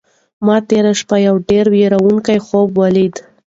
ما تېره شپه یو ډېر وېروونکی خوب ولید.